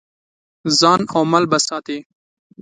ځان او مال به ساتې.